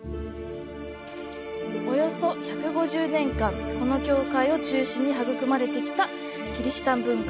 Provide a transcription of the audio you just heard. およそ１５０年間、この教会を中心に育まれてきたキリシタン文化。